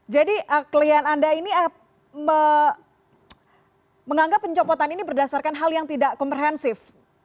jadi klien anda ini menganggap pencopotan ini berdasarkan hal yang tidak komprehensif